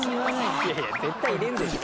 いやいや絶対入れるでしょ。